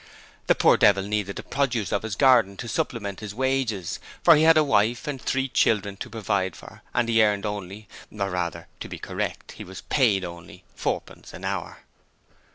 The poor devil needed the produce of his garden to supplement his wages, for he had a wife and three children to provide for and he earned only or rather, to be correct, he was paid only fourpence an hour.